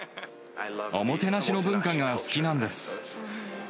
おもてなしの文化が好きなんです。